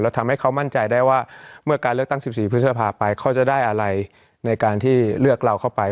ทำให้เขามั่นใจได้ว่าเมื่อการเลือกตั้ง๑๔พฤษภาไปเขาจะได้อะไรในการที่เลือกเราเข้าไป